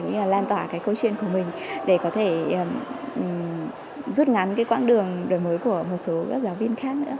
tham tỏa câu chuyện của mình để có thể rút ngắn quãng đường đời mới của một số các giáo viên khác nữa